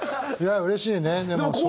いやうれしいねでも。